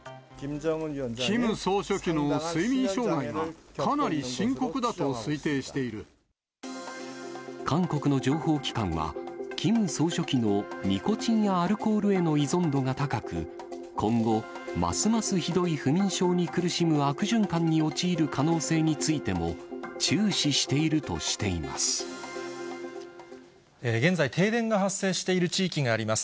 キム総書記の睡眠障害が、韓国の情報機関は、キム総書記のニコチンやアルコールへの依存度が高く、今後、ますますひどい不眠症に苦しむ悪循環に陥る可能性についても注視現在、停電が発生している地域があります。